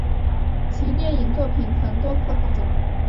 其电影作品曾多次获奖。